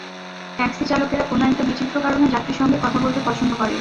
Taxi চালকেরা কোনো একটা বিচিত্র কারণে যাত্রীর সঙ্গে কথা বলতে পছন্দ করে।